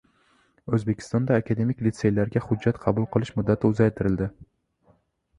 O‘zbekistonda akademik liseylarga hujjat qabul qilish muddati uzaytirildi